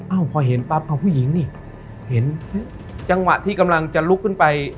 พอเห็นปั๊บเอาผู้หญิงนี่เห็นจังหวะที่กำลังจะลุกขึ้นไป